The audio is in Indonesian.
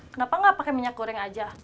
kenapa gak pake minyak goreng aja